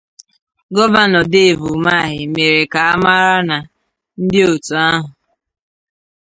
Gọvanọ Dave Umahi mèrè ka a mara na ndị òtù ahụ